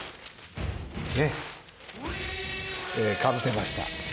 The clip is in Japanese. かぶせました。